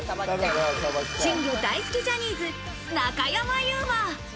珍魚大好きジャニーズ・中山優馬。